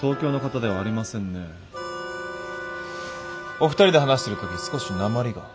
お二人で話してる時少しなまりが。